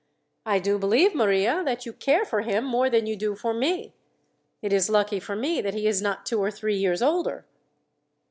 "I do believe, Maria, that you care for him more than you do for me. It is lucky for me that he is not two or three years older."